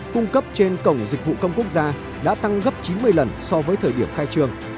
cung cấp trên cổng dịch vụ công quốc gia đã tăng gấp chín mươi lần so với thời điểm khai trương